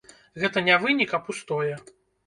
Гэта не вынік, а пустое.